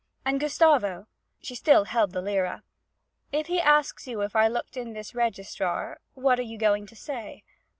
And Gustavo' she still held the lira 'if he asks you if I looked in this register, what are you going to say?'